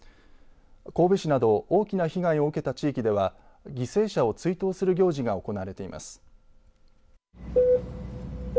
神戸市など大きな被害を受けた地域では犠牲者を追悼する行事が行われています。